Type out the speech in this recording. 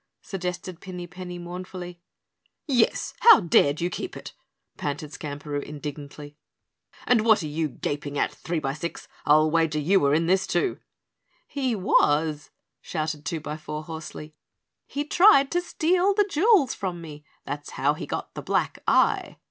suggested Pinny Penny mournfully. "Yes, how dared you keep it?" panted Skamperoo indignantly. "And what are you gaping at, Threebysix? I'll wager you were in this, too." "He was," shouted Twobyfour hoarsely. "He tried to steal the jewels from me. That's how he got the black eye."